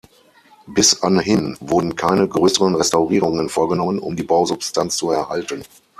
Bis anhin wurden keine grösseren Restaurierungen vorgenommen, um die Bausubstanz zu erhalten.